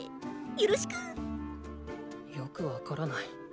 よろしく！よく分からない。